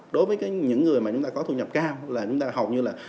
đối với những người mà chúng ta có thu nhập cao là chúng ta hầu như là